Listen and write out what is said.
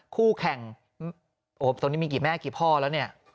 คู่แข่งโอ้โหตอนนี้มีกี่แม่กี่พ่อแล้วเนี่ย